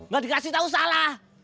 gak dikasih tahu salah